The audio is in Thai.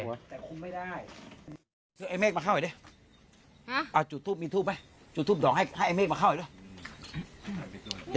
อยากเป็นจะคุยกับมันอยากคุยอ่ะเออไปทุ่มให้ไม่เข้าเลย